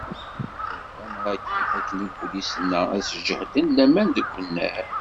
Yusa-d lamer-agi akken ibulisen-a, ad sǧehden laman deg unnar.